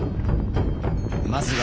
まずは